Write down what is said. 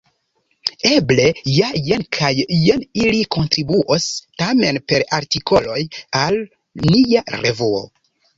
Eble ja jen kaj jen ili kontribuos tamen per artikoloj al nia revuo.